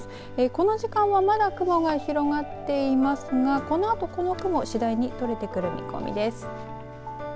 この時間はまだ雲が広がっていますがこのあとこの雲次第に出てくる見込みです。